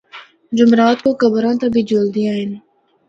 جمعرات کو قبراں تے بھی جلدیاں ہن۔